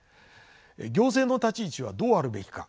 行政の立ち位置はどうあるべきか。